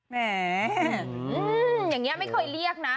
แหมอย่างนี้ไม่เคยเรียกนะ